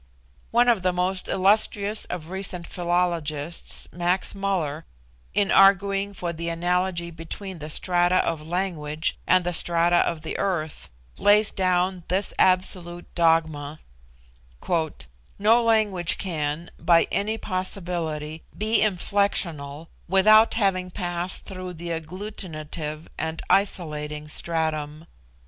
One of the most illustrious of recent philologists, Max Muller, in arguing for the analogy between the strata of language and the strata of the earth, lays down this absolute dogma: "No language can, by any possibility, be inflectional without having passed through the agglutinative and isolating stratum.